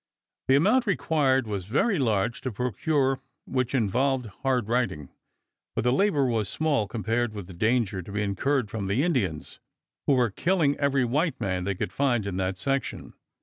The amount required was very large to procure which involved hard riding; but the labor was small compared with the danger to be incurred from the Indians, who were killing every white man they could find in that section.